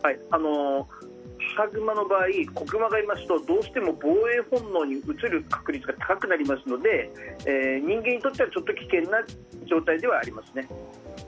母グマの場合子グマがいますと防衛本能に移る可能性が高くなりますので人間にとっては、ちょっと危険な状態ではありますね。